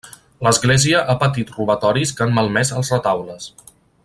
L'església ha patit robatoris que han malmès els retaules.